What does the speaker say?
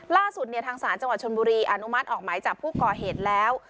ล่าสุดทางศาลจังหวัดชนบุรีอนุมัติออกหมายจับผู้ก่อเหตุแล้ว